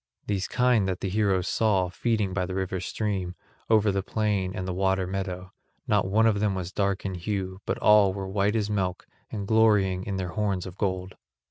These kine the heroes saw feeding by the river's stream, over the plain and the water meadow; not one of them was dark in hue but all were white as milk and glorying in their horns of gold.